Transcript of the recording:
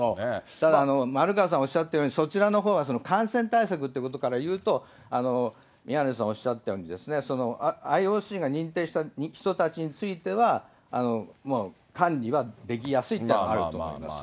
ただ、丸川さんおっしゃったように、そちらの方は感染対策ということからいうと、宮根さんがおっしゃったように、ＩＯＣが認定した人たちについては、管理はできやすいっていうのはあると思います。